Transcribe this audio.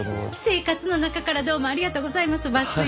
生活の中からどうもありがとうございます。